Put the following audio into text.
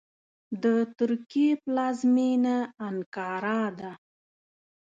د ترکیې پلازمېنه انکارا ده .